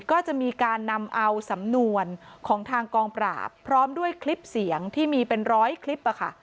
ก็จะมีการนำเอาสำนวนของทางกองปราบพร้อมด้วยคลิปเสียงที่มีเป็นร้อยคลิป